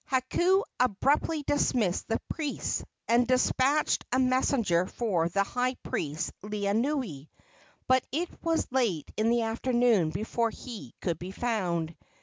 Hakau abruptly dismissed the priests, and despatched a messenger for the high priest Laeanui, but it was late in the afternoon before he could be found.